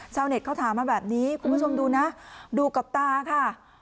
ชาวเน็ตเขาถามมาแบบนี้คุณผู้ชมดูนะดูกับตาค่ะ